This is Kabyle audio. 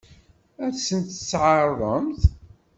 Ad sen-tt-tɛeṛḍemt?